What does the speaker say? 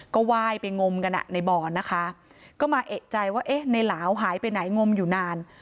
ก็ไหว้ไปงมกันอ่ะในบ่อนะคะก็มาเอกใจว่าเอ๊ะในหลาวหายไปไหนงมอยู่นาน